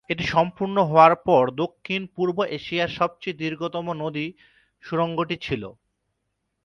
এটি সম্পূর্ণ হওয়ার পর দক্ষিণ-পূর্ব এশিয়ার সবচেয়ে দীর্ঘতম নদী সুড়ঙ্গটি ছিল।